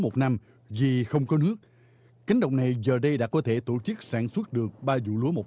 một năm vì không có nước cánh đồng này giờ đây đã có thể tổ chức sản xuất được ba vụ lúa một